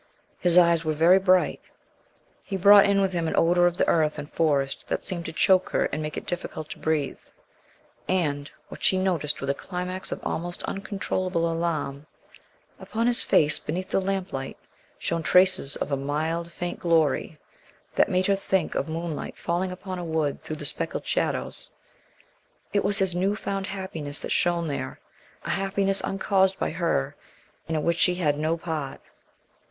His eyes were very bright. He brought in with him an odor of the earth and forest that seemed to choke her and make it difficult to breathe; and what she noticed with a climax of almost uncontrollable alarm upon his face beneath the lamplight shone traces of a mild, faint glory that made her think of moonlight falling upon a wood through speckled shadows. It was his new found happiness that shone there, a happiness uncaused by her and in which she had no part.